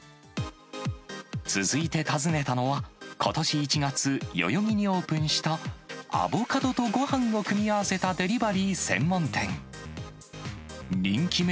続いて訪ねたのは、ことし１月、代々木にオープンした、アボカドとごはんを組み合わせたデリバリー専門店。